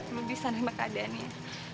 rudy sendiri mah keadaannya